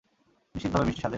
নিশ্চিতভাবে মিষ্টি স্বাদের।